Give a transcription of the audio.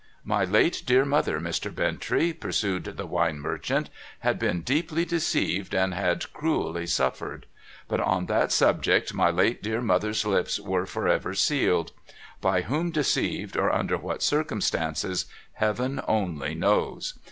' My late dear mother, Mr. Bintrey,' pursued the wine merchant, ' had been deeply deceived, and had cruelly suffered. But on that subject my late dear mother's lips were for ever sealed. By whom deceived, or under what circumstances, Heaven only knows.